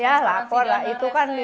ya lapor lah itu kan